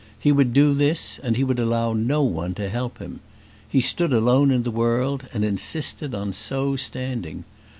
He would do this, and he would allow no one to help him. He stood alone in the world, and insisted on so standing.